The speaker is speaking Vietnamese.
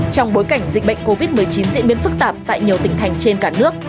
trong bối cảnh dịch bệnh covid một mươi chín diễn biến phức tạp tại nhiều tỉnh thành trên cả nước